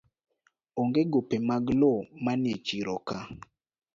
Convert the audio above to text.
Onge gope mag lowo manie chiro ka